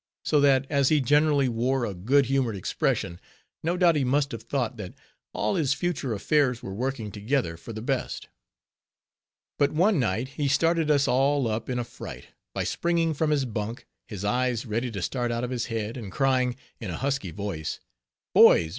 So that, as he generally wore a good humored expression, no doubt he must have thought, that all his future affairs were working together for the best. But one night he started us all up in a fright, by springing from his bunk, his eyes ready to start out of his head, and crying, in a husky voice—"Boys!